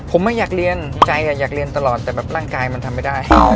ผมไม่อยากเรียนใจอยากเรียนตลอดแต่แบบร่างกายมันทำไม่ได้